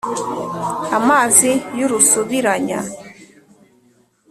amazi y'urusubiranya